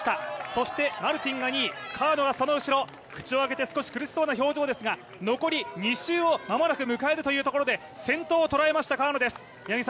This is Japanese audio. そして、マルティンが２位川野がその後ろ口を上げて少し苦しそうな表情ですが残り２周をまもなく迎えるというところで先頭を捉えました川野です。